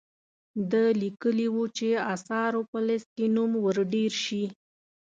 ده لیکلي وو چې آثارو په لیست کې نوم ور ډیر شي.